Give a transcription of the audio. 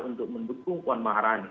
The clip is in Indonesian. untuk mendukung puan maharani